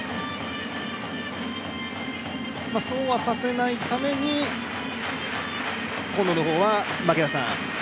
そうはさせないために今野の方は？